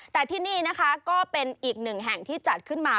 แต่ที่นี่นะคะก็เป็นอีกหนึ่งแห่งที่จัดขึ้นมา